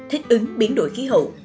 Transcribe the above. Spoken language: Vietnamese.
thích ứng biến đổi khí hậu